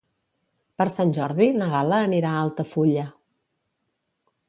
Per Sant Jordi na Gal·la anirà a Altafulla.